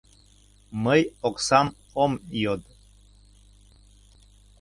— Мый оксам ом йод.